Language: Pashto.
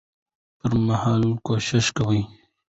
پر مهال کوشش وکړي